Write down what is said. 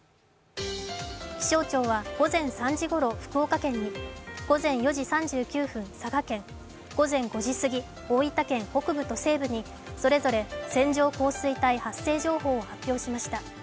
気象庁は午前３時ごろ福岡県に午前４時３９分、佐賀県、午前５時すぎ大分県北部と西部にそれぞれ線状降水帯発生情報を発表しました。